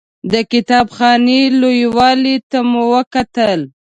د کتاب خانې لوی والي ته مو وکتل.